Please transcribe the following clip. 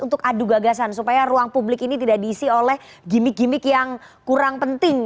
untuk adu gagasan supaya ruang publik ini tidak diisi oleh gimmick gimmick yang kurang penting